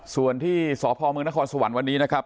ส่วนที่สพเมืองนครสวรรค์วันนี้นะครับ